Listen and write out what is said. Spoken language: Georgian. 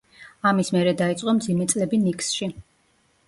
ამის მერე დაიწყო მძიმე წლები ნიქსში.